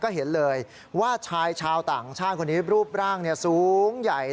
ก็เห็นเลยว่าชายชาวต่างชาติคนนี้รูปร่างสูงใหญ่